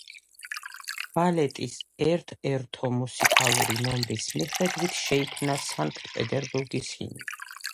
ბალეტის ერთ-ერთო მუსიკალური ნომრის მიხედვით შეიქმნა სანქტ-პეტერბურგის ჰიმნი.